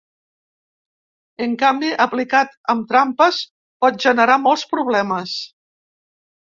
En canvi, aplicat amb trampes, pot generar molts problemes.